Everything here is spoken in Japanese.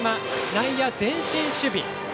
内野は前進守備。